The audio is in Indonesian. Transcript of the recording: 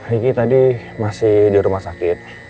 riki tadi masih di rumah sakit